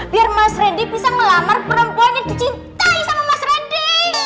biar mas randy bisa melamar perempuan yang dicintai sama mas randy